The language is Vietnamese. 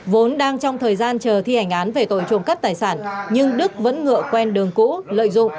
vốn đang trong thời gian chờ thi hành án về tội trộm cắp tài sản nhưng đức vẫn ngựa quen đường cũ lợi dụng